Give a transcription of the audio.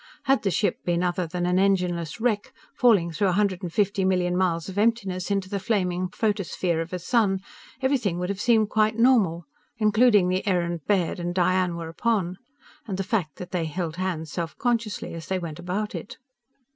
Had the ship been other than an engineless wreck, falling through a hundred and fifty million miles of emptiness into the flaming photosphere of a sun, everything would have seemed quite normal, including the errand Baird and Diane were upon, and the fact that they held hands self consciously as they went about it.